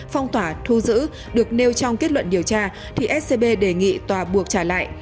phong tỏa thu giữ được nêu trong kết luận điều tra thì scb đề nghị tòa buộc trả lại